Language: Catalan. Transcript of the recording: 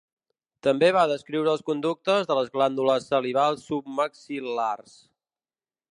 També va descriure els conductes de les glàndules salivals submaxil·lars.